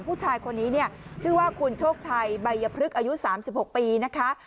ผู้ชายคนนี้เนี่ยชื่อว่าคุณโชคชัยใบยพฤกษ์อายุ๓๖ปีนะคะ